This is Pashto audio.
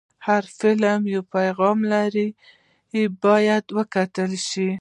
هر فلم یو پیغام لري، باید وکتل شي.